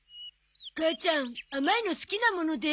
母ちゃん甘いの好きなもので。